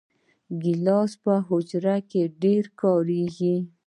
ګیلاس په حجره کې ډېر کارېږي.